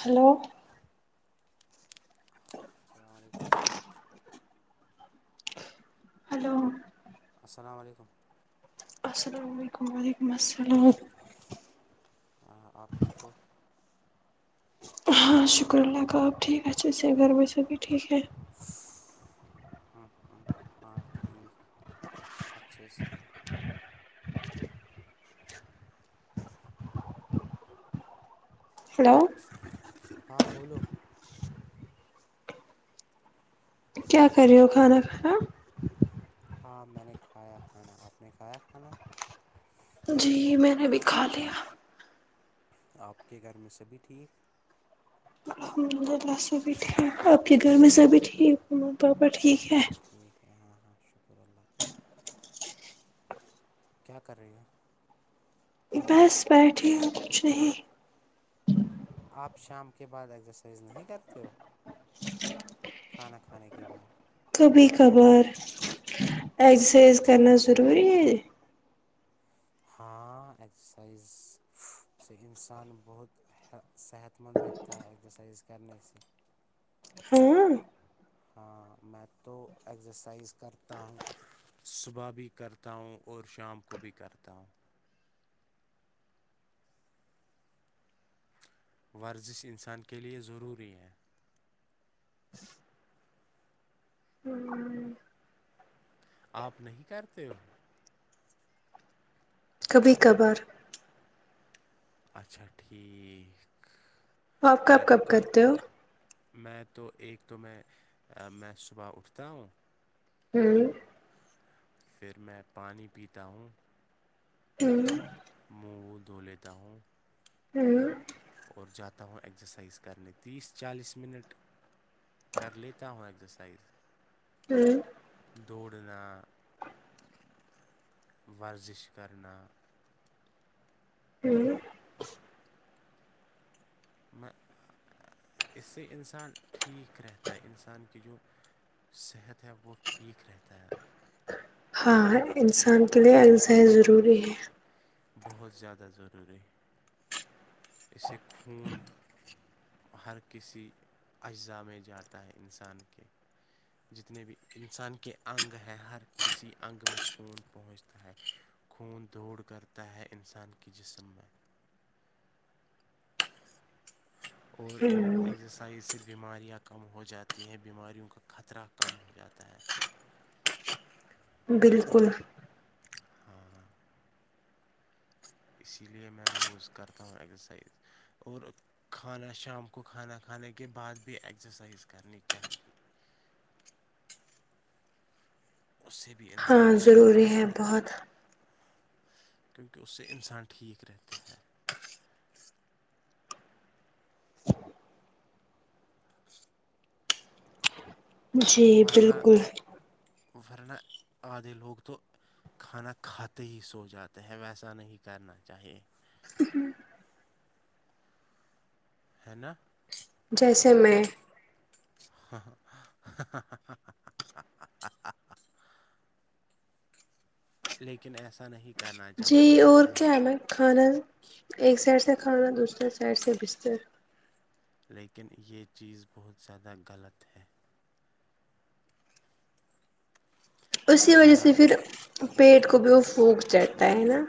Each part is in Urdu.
ہیلو السلام علیکم ہلو السلام و علیکم السلام علیکم وعلیکم السلام ہاں آپ ٹھیک ہو ہاں شکر اللہ کا آپ ٹھیک اچھے سے گھر میں سبھی ٹھیک ہے ہوں ہوں ہاں ٹھیک اچھے سے ہیلو ہاں بولو کیا کر رہے ہو کھانا کھایا ہاں میں نے کھایا کھانا آپ نے کھایا کھانا جی میں نے بھی کھا لیا آپ کے گھر میں سبھی ٹھیک الحمد للہ سبھی ٹھیک آپ کے گھر میں سبھی ٹھیک [unintelligible] ہاں ہاں ٹھیک ہے ہاں ہاں شکر اللہ کا کیا کر رہے ہو بس بیٹھی ہوں کچھ نہیں آپ شام کے بعد ایکزرسائز نہیں کرتے ہو کھانا کھانے کے بعد کبھی کبھار ایزرسائز کرنا ضروری ہے ہاں ایکسسائز سے انسان بہت صحت مند رہتا ہے ایکسرسائز کرنے سے ہاں ہاں میں تو ایگزرسائز کرتا ہوں صبح بھی کرتا ہوں اور شام کو بھی کرتا ہوں ورزش انسان کے لئے ضروری ہے آپ نہیں کرتے ہو کبھی کبھار اچھا ٹھیک آپ میں کب تو کب کر کرتے ہو میں تو ایک تو میں میں صبح اٹھتا ہوں ہوں پھر میں پانی پیتا ہوں ہوں منہ وہ دھو لیتا ہوں ہمم اور جاتا ہوں ایکزرسائز کرنے تیس چالیس منٹ کر لیتا ہوں ایکسرسائز ہوں دوڑنا ورزش کرنا ہوں میں اس سے انسان ٹھیک رہتا ہے انسان کی جو صحت ہے وہ ٹھیک رہتا ہے ہاں انسان کے لیے ایکسرسائز ضروری ہے بہت زیادہ ضروری اسے خون ہر کسی اجزاء میں جاتا ہے انسان کے جتنے بھی انسان کے انگ ہے ہر کسی انگ میں خون پہنچتا ہے خون دوڑ کرتا ہے انسان کی جسم میں اور ان ایزس طائح سے بیماریاں کم ہو جاتی ہیں بیماریوں کا خطرہ کم ہو جاتا ہے بالکل ہاں اسی لیے میں روز کرتا ہوں اگزرسائز اور کھانا شام کو کھانا کھانے کے بعد بھی ایکسرسائز کرنی چاہیے اس سے بھی انسان ہاں ٹھیک ضروری رہتا ہے بہت کیونکہ اس سے انسان ٹھیک رہتا ہے جی ورنا بالکل ورنا ادھے لوگ تو کھانا کھاتے ہی سو جاتے ہیں ویسا نہیں کرنا چاہیے ہ ہے نا جیسے میں ہ لیکن ایسا نہیں کرنا جی چاہیے یہ اور کیا ہے صحت نا کھانا ایک سائڈ سے کھانا دوسرے سائڈ سے بستر لیکن یہ چیز بہت زیادہ غلط ہے اسی وجہ کھانا سے پھر پیٹ کو بھی وہ پھونک چڑھتا ہے نا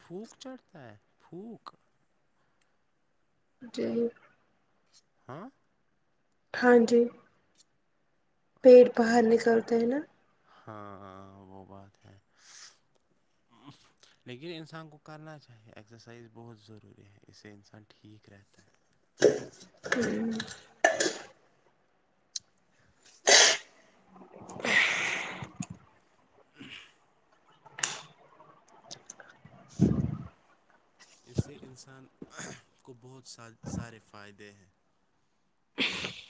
بھوک چڑھتا ہے پھوک جی ہاں ہاں جی پیٹ اچھا باہر ٹھیک نکلتے ہے نا ہاں وہ بات ہے لیکن انسان کو کرنا چاہیے ایکسرسائز بہت ضروری ہے اس سے انسان ٹھیک رہتا ہے ہوں اس سے انسان کو بہت سارے سارے فائدے ہیں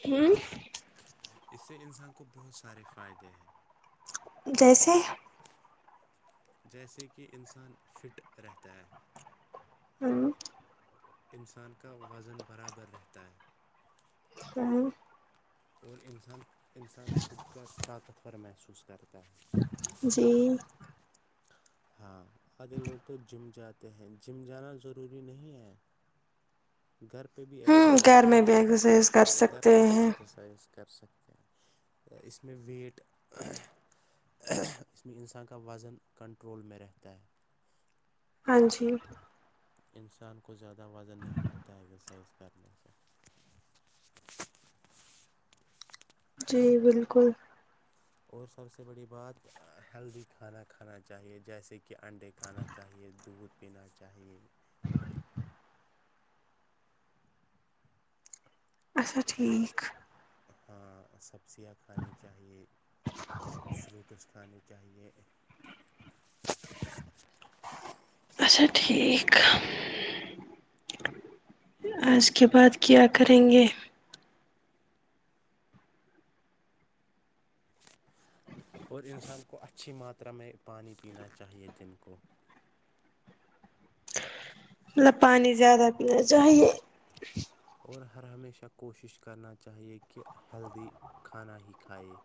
ہوں اس سے انسان کو بہت سارے فائدے ہیں جیسے جیسے کہ انسان فٹ رہتا ہے ہوں انسان کا وزن برابر رہتا ہے [unintelligible] اور انسان انسان خود کا طاقتور محسوس کرتا ہے جی ہاں آدھے لوگ تو جیم جاتے ہیں جیم جانا ضروری نہیں ہے گھر پہ بھی ہوں ایگزرسائز گھر کر میں بھی سک ایگزرسائز کر گھر سکتے پہ بھی ہیں ایگزرسائز کر سک اس میں ویٹ اس میں انسان کا وزن کنٹرول میں رہتا ہے ہاں جی انسان کو زیادہ وزن نہیں ہوتا ایکزرسائز کرنے سے جی بالکل اور سب سے بڑی بات ہیلدی کھانا کھانا چاہیے جیسے کہ انڈے کھانا چاہیے دودھ پینا چاہیے اچھا ٹھیک ہاں سبزیاں کھانی چاہیے فروٹس کھانے چاہیے اچھا ٹھیک آج کے بعد کیا کریں گے اور انسان کو اچھی ماترا میں پانی پینا چاہیے دن کو مطلب پانی زیادہ پینا چاہیے اور ہر ہمیشہ کوشش کرنا چاہیے کہ ہیلدی کھانا ہی کھائے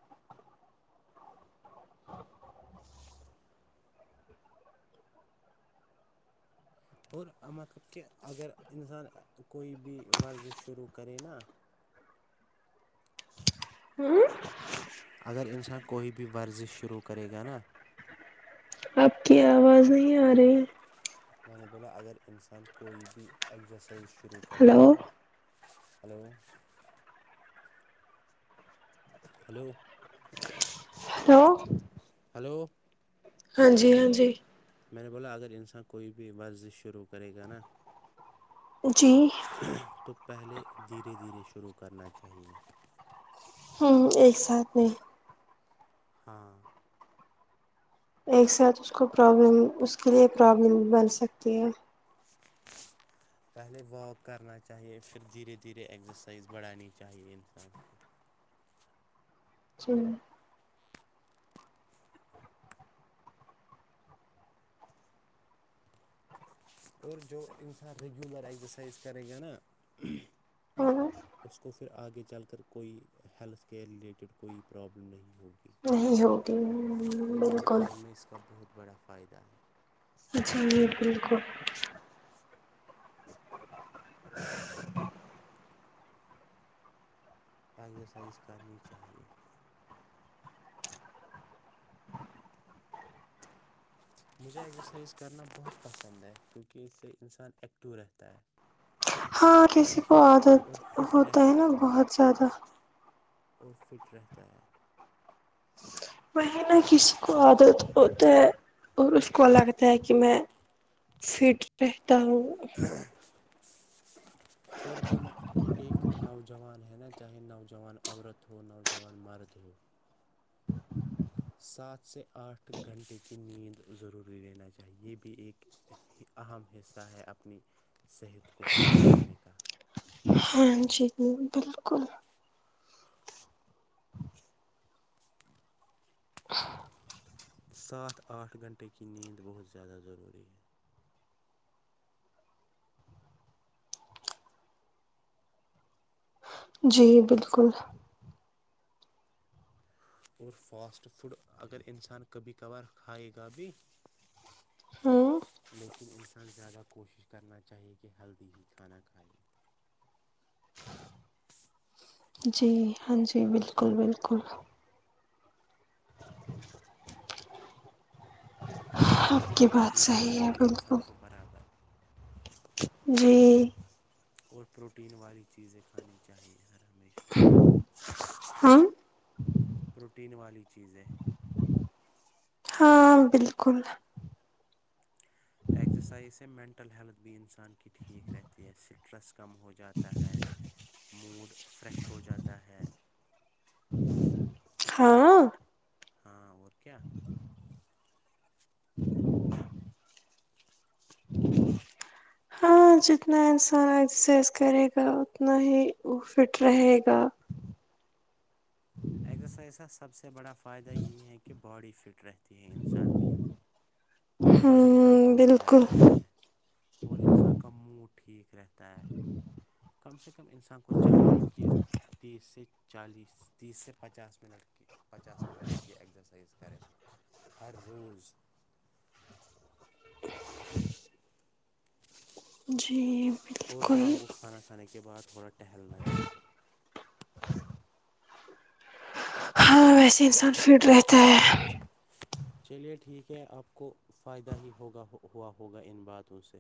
اور مقلب کہ اگر انسان کوئی بھی ورز شروع کرے نا ہوں اگر انسان کوئی بھی ورزش شروع کرے گا نا آپکی آواز نہیں آ رہی ہے میں نے بولا اگر انسان کوئی بھی ایکگزرسائز شروع کرے ہلو گا نا ہلو ہلو ہلو ہلو ہاں جی ہاں جی میں نے بولا اگر انسان کوئی بھی ورزش شروع کرے گا نا جی تو پہلے دھیرے دھیرے شروع کرنا چاہیے ہاں ایک ساتھ میں ہاں ایک ساتھ اس کو پرابلم اس کے لیے پرابلم بن سکتی ہے [inaudible] پہلے واک کرنا چاہیے پھر دھیرے دھیرے ایگزرسائز بڑھانی چاہیے انسان کو جی اور جو انسان ریگولر ایگزرسائز کرے گا نا اور اس کو پھر آگے چل کر کوئی ہیلتھ کیئر ریلیٹڈ کوئی پرابلم نہیں ہوگی نہیں ہوگی لانگ بالکل ٹرم میں اس کا بہت بڑا فائدہ ہے اچھا نہیں ہے بالکل [inaudible] اگزرسائز کرنی چاہیے مجھے ایکسرسائز کرنا بہت پسند ہے کیونکہ اس سے انسان ایکٹو رہتا ہے ہاں اور کسی کو فٹ عادت اور فٹ ہوتا ہے رہتا نا بہت زیادہ اور فٹ رہتا ہے وہیں نہ کسی کو عادت ہوتا ہے اور اس کو لگتا ہے کہ میں فٹ رہتا ہوں اور جو مطلب کہ ایک نوجوان ہیں نا چاہے نوجوان عورت ہو نوجوان مرد ہو سات سے آٹھ گھنٹے کی نیند ضروری لینا چاہیے یہ بھی ایک اہم حصہ ہے اپنی صحت کو خیال رکھنے کا ہاں جی بالکل [inaudible] [inaudible] [inaudible] سات آٹھ گھنٹے کی نیند بہت زیادہ ضروری ہے جی بالکل اور فاسٹ فوڈ اگر انسان کبھی کبھار کھائے گا بھی ہاں لیکن انسان زیادہ کوشش کرنا چاہیئے کہ ہلدی ہی کھانا کھائے جی ہاں جی بالکل بالکل [inaudible] اور آپ کی پانی بات پینا صحیح ہے چاہیے انسان بالکل کو برابر جی اور پروٹین والی چیزیں کھانی چاہیے ہر ہمیشہ ہاں پروٹین والی چیزیں ہاں بالکل ایگزرسائز سے مینٹل ہیلتھ بھی انسان کی ٹھیک رہتی ہے اس سے اسٹریس کم ہو جاتا ہے موڈ فریش ہو جاتا ہے [inaudible] ہاں ہاں اور کیا [inaudible] [inaudible] ہاں جتنا انسان ایکسرسائز کرے گا اتنا ہی وہ فٹ رہے گا اگزرسائز کا سب سے بڑا فائدہ یہی ہے کہ باڈی فٹ رہے تی ہے انسان کی اور وزن ہوں کنٹرول میں بالکل رہتا ہے اور انسان کا موڈ ٹھیک رہتا ہے کم سے کم انسان کو چاہیے کہ تیس سے چالیس تیس سے پچاس منٹ کی پچاس منٹ کی ایگزرسائز کریں ہر روز جی اور بالکل شام کو کھانا کھانے کے بعد تھوڑا ٹہلنا چاہیئے ہاں ویسے انسان فٹ رہتا ہے چلیے ٹھیک ہے آپ کو فائدہ ہی ہوگا ہوا ہوگا ان باتوں سے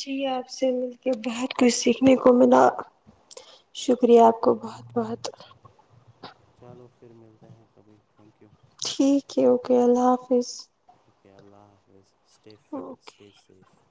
جی آپ سے مل کے بہت کچھ سیکھنے کو ملا شکریہ آپ کو بہت بہت چلو پھر ملتے ہیں کبھی تھینک یو ٹھیک ہے اوکے اللہ حافظ اوکے اللہ حافظ stay fit okay stay safe